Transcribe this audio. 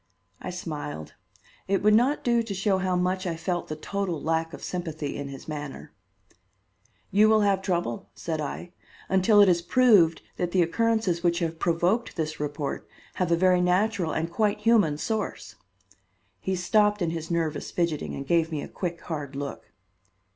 I smiled. It would not do to show how much I felt the total lack of sympathy in his manner. "You will have trouble," said I, "until it is proved that the occurrences which have provoked this report have a very natural and quite human source." He stopped in his nervous fidgeting and gave me a quick hard look.